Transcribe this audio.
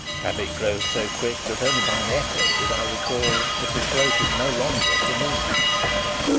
Habit grows so quick, that only by an effort did I recollect that it floated no longer for me.